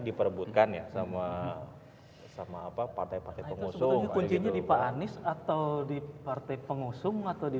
diperebutkan ya sama sama apa partai partai pengusung atau di partai pengusung atau di